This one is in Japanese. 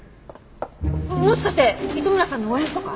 もしかして糸村さんの応援とか？